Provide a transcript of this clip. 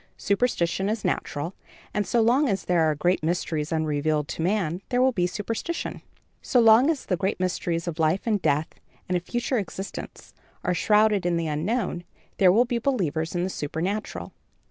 Superstition is natural, and so long as there are great mysteries unrevealed to man, there will be superstition. So long as the great mysteries of life and death and a future existence are shrouded in the unknown, there will be believers in the supernatural.